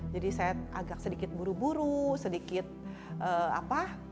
jadi saya agak sedikit buru buru sedikit apa